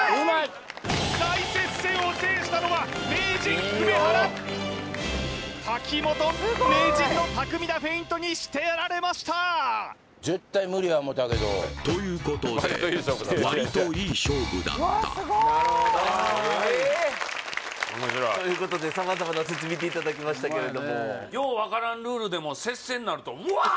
大接戦を制したのは名人粂原瀧本名人の巧みなフェイントにしてやられましたということで・なるほど・ああええ？ということで様々な説見ていただきましたけれどもよう分からんルールでも接戦なるとうわー！